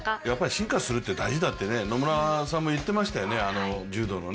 進化するって大事だって野村さんも言ってましたよね、柔道の。